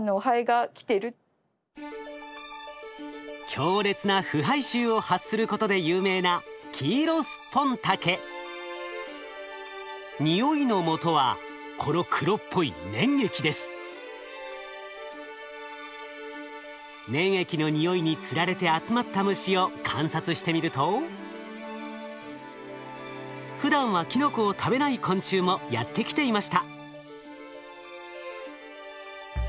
強烈な腐敗臭を発することで有名な匂いのもとは粘液の匂いにつられて集まった虫を観察してみるとふだんはキノコを食べない昆虫もやって来ていました。